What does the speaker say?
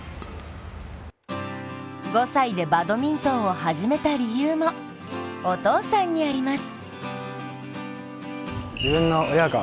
５歳でバドミントンを始めた理由もお父さんにあります。